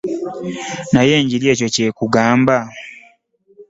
Naye enjiri ekyo ky'ekugamba?